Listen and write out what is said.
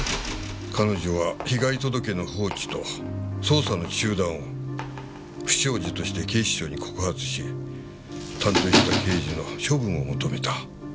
彼女は被害届の放置と捜査の中断を不祥事として警視庁に告発し担当した刑事の処分を求めた。